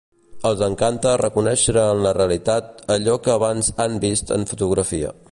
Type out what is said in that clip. Els encanta reconèixer en la realitat allò que abans han vist en fotografia.